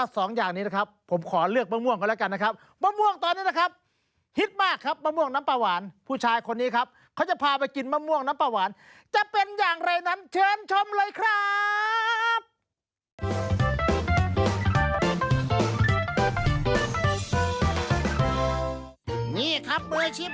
สองอย่างนี้นะครับผมขอเลือกมะม่วงกันแล้วกันนะครับมะม่วงตอนนี้นะครับฮิตมากครับมะม่วงน้ำปลาหวานผู้ชายคนนี้ครับเขาจะพาไปกินมะม่วงน้ำปลาหวานจะเป็นอย่างไรนั้นเชิญชมเลยครับ